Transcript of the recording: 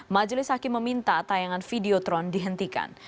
majelis hakim meminta tayangan videotron dihentikan